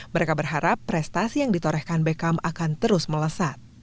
mereka berharap prestasi yang ditorehkan beckham akan terus melesat